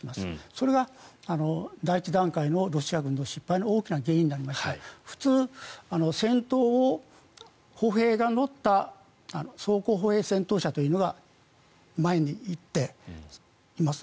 それが第１段階のロシア軍の失敗の大きな原因でありまして普通、戦闘を歩兵が乗った装甲歩兵戦闘車というのが前に行っています。